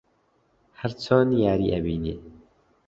هەر چۆن یاری ئەبینێ